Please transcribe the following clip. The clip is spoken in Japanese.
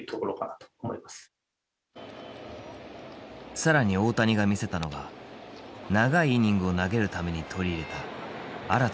更に大谷が見せたのが長いイニングを投げるために取り入れた新たな球種。